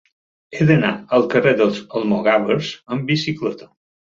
He d'anar al carrer dels Almogàvers amb bicicleta.